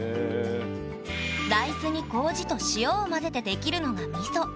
大豆に麹と塩を混ぜて出来るのがみそ。